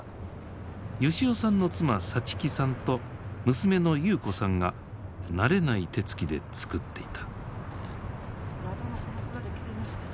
吉男さんの妻さちきさんと娘の優子さんが慣れない手つきで作っていた。